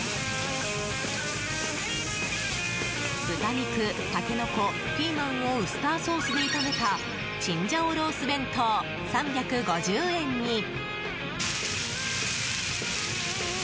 豚肉、タケノコ、ピーマンをウスターソースで炒めたチンジャオロース弁当３５０円に。